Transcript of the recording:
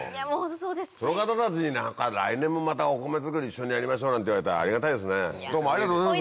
その方たちに「来年もまたお米作り一緒にやりましょう」なんて言われてありがたいですねどうもありがとうございます。